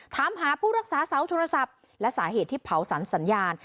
ถามหาผู้รักษาเสาโทรศัพท์และสาเหตุที่เผาสรรสัญญาณ